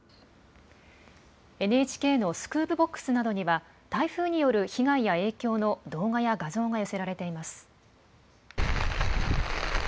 ＮＨＫのスクープボックスなどには、台風による被害や影響の動画や画像が寄せられています。